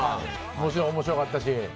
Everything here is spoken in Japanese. もちろん面白かったし。